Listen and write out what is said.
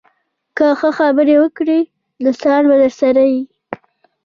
که ښه خبرې وکړې، دوستان به درسره وي